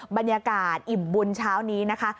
บรรยากาศอิ่มบุญเช้านี้นะคะ